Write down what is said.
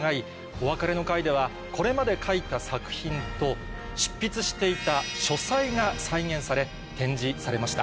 お別れの会ではこれまで書いた作品と執筆していた書斎が再現され展示されました。